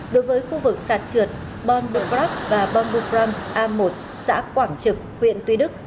đối với khu vực sạt trượt bonbubrak và bonbubram a một xã quảng trực huyện tuy đức